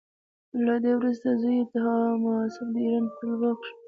له ده وروسته زوی یې تهماسب د ایران ټولواک شو.